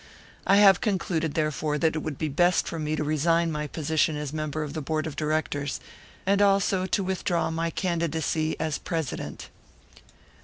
I have concluded, therefore, that it would be best for me to resign my position as a member of the board of directors, and also to withdraw my candidacy as president."